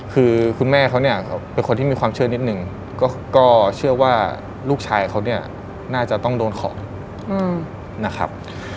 คือคุณแม่เขาเนี่ยเป็นคนที่มีความเชื่อนิดนึงก็เชื่อว่าลูกชายเขาเนี่ยน่าจะต้องโดนของนะครับ